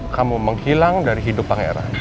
kamu menghilang dari hidup pangeran